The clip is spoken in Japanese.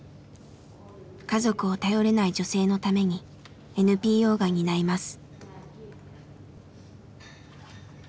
家族を頼れない女性のためにＮＰＯが担います。